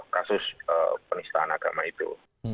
kasus penistaan agama itu